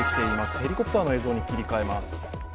ヘリコプターの映像に切り替えます。